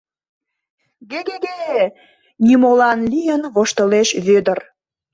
— Ге-ге-ге! — нимолан лийын воштылеш Вӧдыр.